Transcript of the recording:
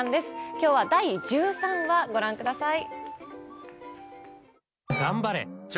今日は第１３話ご覧ください。